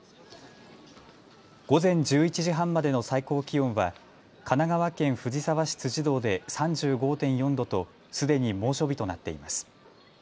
午前１１時半までの最高気温は神奈川県藤沢市辻堂で３５．４度と、すでに猛暑日となっています。